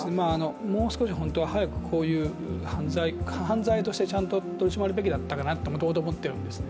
もう少し本当は早くこういう犯罪として取り締まるべきだったともともと思ってるんですね。